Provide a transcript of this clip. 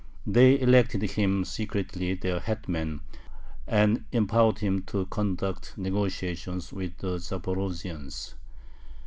They elected him secretly their hetman, and empowered him to conduct negotiations with the Zaporozhians.